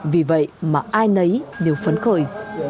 vì vậy mà ai nấy đều phấn khởi